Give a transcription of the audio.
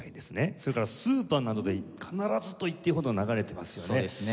それからスーパーなどで必ずといっていいほど流れてますよね。